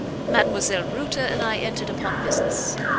Mdlle. Reuter and I entered upon business.